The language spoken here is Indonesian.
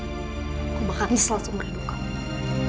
aku bakal nisah langsung merindu kamu